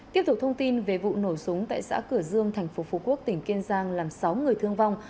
tiếp tục thông tin về vụ nổ súng tại xã cửa dương thành phố phú quốc tỉnh kiên giang làm sáu người thương vong